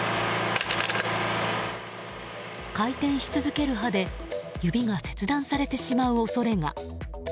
回転し続ける刃で指が切断されてしまう恐れが。